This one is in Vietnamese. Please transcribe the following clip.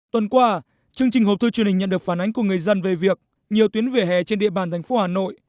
tuần qua chương trình hộp thư truyền hình nhận được phản ánh của người dân về việc nhiều tuyến vỉa hè trên địa bàn thành phố hà nội